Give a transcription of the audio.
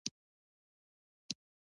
او له سترګو یې ورک کړ.